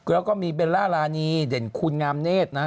แล้วก็มีเบลล่ารานีเด่นคุณงามเนธนะ